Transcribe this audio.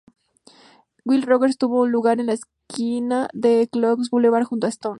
Will Rogers tuvo un hogar en la esquina de Clocks Boulevard junto a Stone.